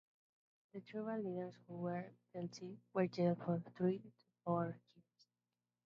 The tribal leaders who were guilty were jailed for three to four years.